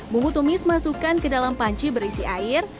bumbu tumis masukkan ke dalam panci berisi air